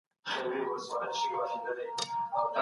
انسان د جګړې مخالف دی.